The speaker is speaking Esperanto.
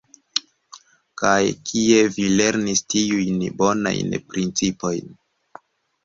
Kaj kie vi lernis tiujn bonajn principojn?